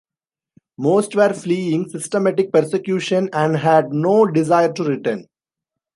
Most were fleeing systematic persecution and had no desire to return.